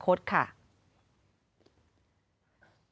ครบห้าสิบวันแห่งการเสด็จสวรรคตค่ะ